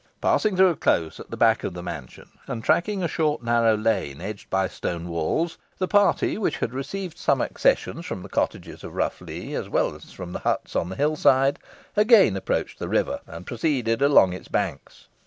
Passing through a close at the back of the mansion, and tracking a short narrow lane, edged by stone walls, the party, which had received some accessions from the cottages of Rough Lee, as well as from the huts on the hill side, again approached the river, and proceeded along its banks.